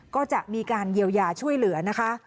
ก็จะมีการเยียวยาช่วยเหลือนะคะ